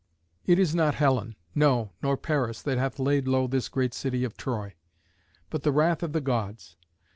It is not Helen; no, nor Paris, that hath laid low this great city of Troy, but the wrath of the Gods.